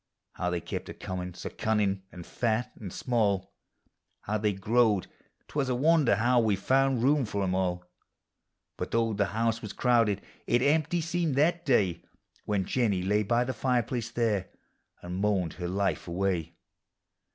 How they kept a coin in', so cunuin' and fat and small ! How they growed ; 't was a wonder how we found room for 'em all ; But though the house was crowded, it empty seemed that day When Jennie lay by the fireplace there, and moaned her life away.